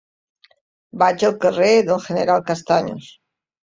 Vaig al carrer del General Castaños.